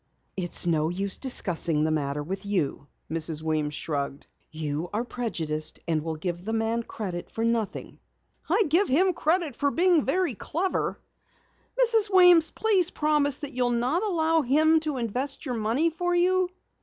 "It's no use discussing the matter with you," Mrs. Weems shrugged. "You are prejudiced and will give the man credit for nothing." "I give him credit for being very clever. Mrs. Weems, please promise that you'll not allow him to invest your money for you."